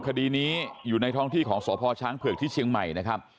คดีนี้อยู่ในท้องที่ของสพช้างเผือกที่เชียงใหม่นะครับ